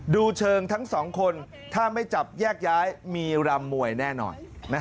ดูเชิงทั้งสองคนถ้าไม่จับแยกย้ายมีรำมวยแน่นอน